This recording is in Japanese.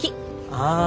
ああ。